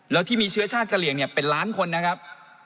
แล้วที่มีเชื้อชาติกะเหลี่ยงเป็นล้านคนนะครับ